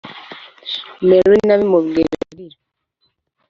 mary nabimubwiraga arira